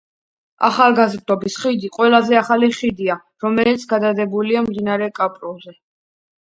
ახალგაზრდობის ხიდი ყველაზე ახალი ხიდია, რომელიც გადებულია მდინარე კარპოვკაზე.